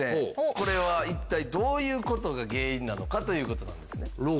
これは一体どういう事が原因なのかという事なんですね。